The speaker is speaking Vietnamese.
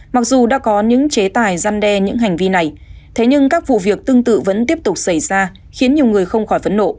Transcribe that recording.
mặc dù đã có những chế tài gian đe những hành vi này thế nhưng các vụ việc tương tự vẫn tiếp tục xảy ra khiến nhiều người không khỏi phẫn nộ